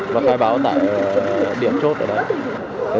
và khai báo tại điểm chốt ở đấy